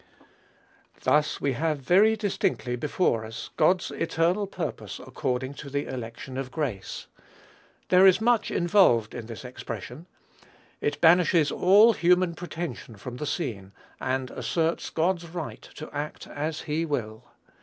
Thus we have very distinctly before us, God's eternal purpose according to the election of grace. There is much involved in this expression. It banishes all human pretension from the scene, and asserts God's right to act as he will.